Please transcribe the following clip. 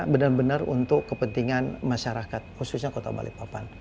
benar benar untuk kepentingan masyarakat khususnya kota balikpapan